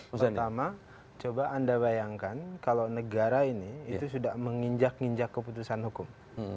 pertama coba anda bayangkan kalau negara ini itu sudah menginjak injak keputusan hukum